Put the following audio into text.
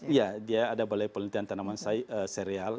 iya dia ada balai penelitian tanaman serial